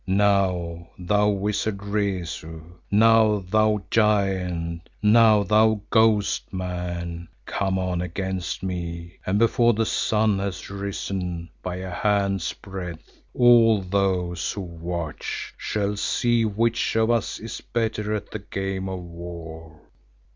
Now, thou Wizard Rezu, now thou Giant, now thou Ghost man, come on against me and before the sun has risen by a hand's breadth, all those who watch shall see which of us is better at the game of war.